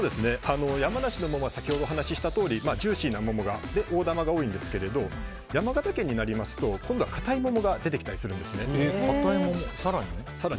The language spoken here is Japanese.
山梨の桃は先ほどお話ししたとおりジューシーな桃で大玉が多いんですけれど山形県になりますと今度は硬い桃が出てきたりするんです。